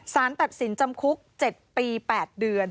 สารตัดสินจำคุก๗ปี๘เดือน